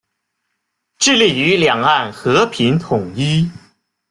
致力于两岸和平统一。